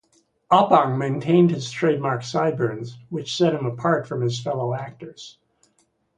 Oppong maintained his trademark sideburns which set him apart from his fellow actors.